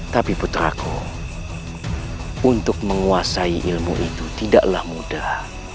tapi putraku untuk menguasai ilmu itu tidaklah mudah